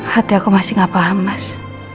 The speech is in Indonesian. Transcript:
hati aku masih gak paham mas